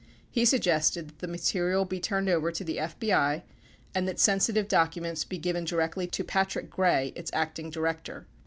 He suggested that the material be turned over to the FBI and that sensitive documents be given directly to Patrick Gray, its Acting Director.